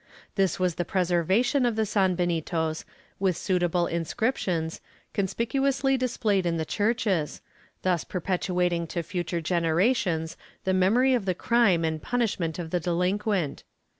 This was the preservation of the sanbenitos, with suitable inscriptions, conspicuously displayed in the churches, thus perpet uating to future generations the memory of the crime and punish ment of the delinquent.